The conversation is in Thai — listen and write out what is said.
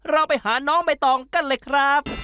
เราไปหาน้องใบตองกันเลยครับ